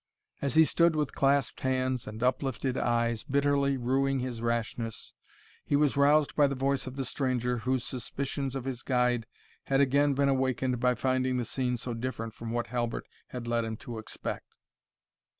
As he stood with clasped hands and uplifted eyes, bitterly ruing his rashness, he was roused by the voice of the stranger, whose suspicions of his guide had again been awakened by finding the scene so different from what Halbert had led him to expect.